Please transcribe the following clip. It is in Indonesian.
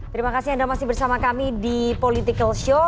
terima kasih anda masih bersama kami di political show